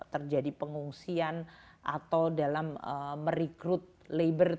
terjadi pengungsian atau dalam merekrut labor